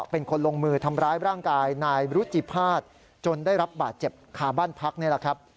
ผ้าจนได้รับบาดเจ็บขาบ้านพักนี่แหละครับ